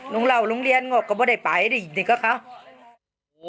น้องเหล่าน้องเรียนก็ไม่ได้ไปเลยนะครับ